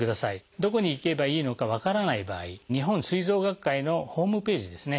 どこに行けばいいのか分からない場合日本膵臓学会のホームページですね